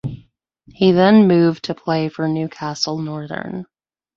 He then moved to play for Newcastle Northern.